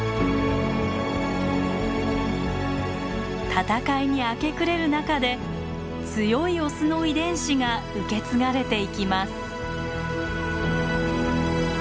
戦いに明け暮れる中で強いオスの遺伝子が受け継がれていきます。